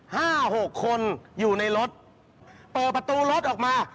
หกคนอยู่ในรถเปิดประตูรถออกมา